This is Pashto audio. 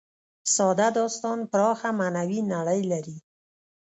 ساده داستان پراخه معنوي نړۍ لري.